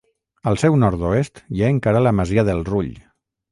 Al seu nord-oest hi ha encara la masia del Rull.